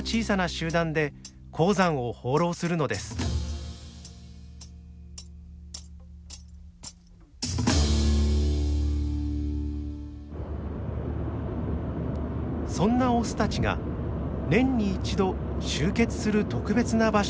そんなオスたちが年に１度集結する特別な場所があるといいます。